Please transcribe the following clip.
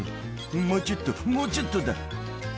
「もうちょっともうちょっとだ」